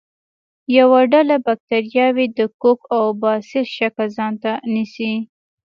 یوه ډله باکتریاوې د کوک او باسیل شکل ځانته نیسي.